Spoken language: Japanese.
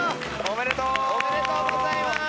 おめでとうございます！